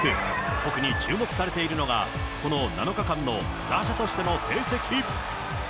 特に注目されているのが、この７日間の打者としての成績。